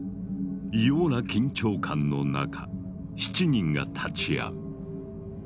異様な緊張感の中７人が立ち会う。